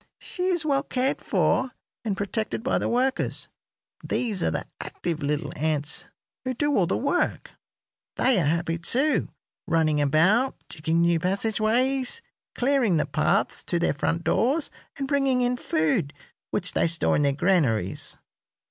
She is well cared for and protected by the workers. These are the active little ants who do the work. They are happy, too, running about, digging new passageways, clearing the paths to their front doors, and bringing in food, which they store in their granaries.